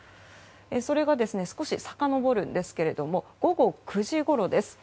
それは少しさかのぼるんですけれども午後９時ごろです。